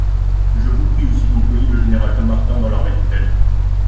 Je vous prie aussi d'employer le général Dommartin dans l'armée d'Italie.